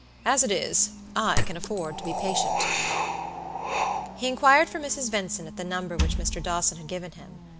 As it is, I can afford to be patient." He inquired for Mrs. Vincent at the number which Mr. Dawson had given him.